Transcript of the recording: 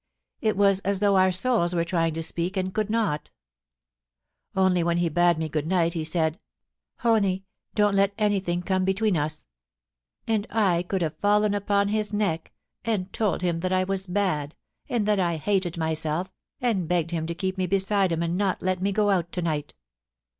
It was as though our souls were tryit^ to speak, and could not Only when he bade me good night he said, " Honie, don't let anything come between us," And I could have fallen upon his neck, and told him that I was bad, and that 1 hated myself, and begged him to keep me beside him and not let me go out to night.